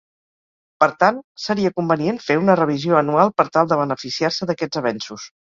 Per tant, seria convenient fer una revisió anual per tal de beneficiar-se d'aquests avenços.